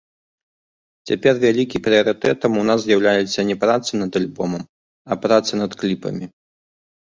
Цяпер вялікі прыярытэтам у нас з'яўляецца не праца над альбомам, а праца над кліпамі.